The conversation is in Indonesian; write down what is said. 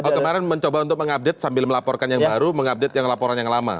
oh kemarin mencoba untuk mengupdate sambil melaporkan yang baru mengupdate yang laporan yang lama